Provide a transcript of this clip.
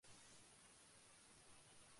সকলই সহিয়া গিয়াছে।